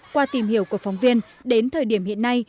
qua tìm hiểu của phóng viên đến thời điểm hiện nay